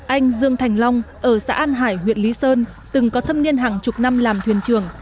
anh dương thành long ở xã an hải huyện lý sơn từng có thâm niên hàng chục năm làm thuyền trưởng